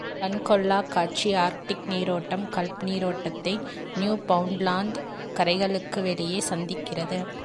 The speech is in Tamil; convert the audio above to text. கண் கொள்ளாக் காட்சி ஆர்க்டிக் நீரோட்டம் கல்ப் நீரோட்டத்தை நியூபவுண்ட்லாந்து கரைகளுக்கு வெளியே சந்திக்கிறது.